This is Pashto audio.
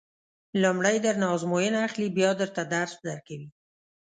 لومړی درنه ازموینه اخلي بیا درته درس درکوي.